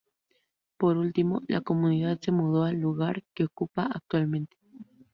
Por último, la comunidad se mudo al lugar que ocupa actualmente.